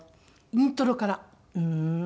イントロから？